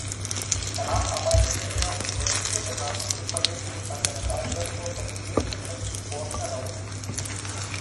Danach arbeitete er für verschiedene Beratungsunternehmen und war Generaldirektor von "Victim Support Netherlands".